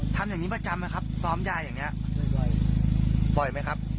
ทำอย่างนี้ประจำไหมครับซ้อมยายอย่างนี้บ่อยบ่อยไหมครับ